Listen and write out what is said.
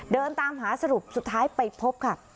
เดินตามหาสรุปสุดท้ายไปพบค่ะ